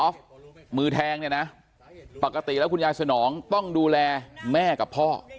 มือแทงเนี่ยนะปกติแล้วคุณยายสนองต้องดูแลแม่กับพ่อ